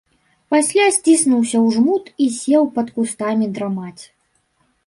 Пасля сціснуўся ў жмут і сеў пад кустамі драмаць.